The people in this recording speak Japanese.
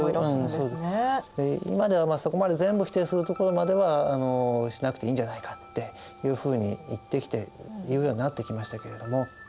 で今ではそこまで全部否定するところまではしなくていいんじゃないかっていうふうにいってきていうようになってきましたけれども。